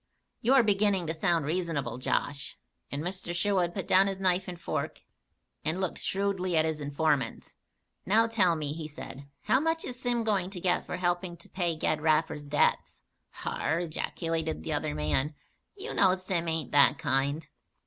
You are beginning to sound reasonable, Josh," and Mr. Sherwood put down his knife and fork and looked shrewdly at his informant. "Now tell me," he said, "how much is Sim going to get for helping to pay Ged Raffer's debts?" "Har!" ejaculated the other man. "You know Sim ain't that kind."